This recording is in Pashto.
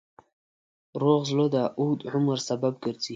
روغ زړه د اوږد عمر سبب ګرځي.